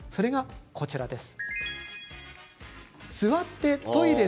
こちらです。